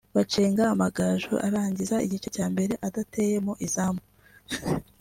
bacenga Amagaju arangiza igice cya mbere adateye mu izamu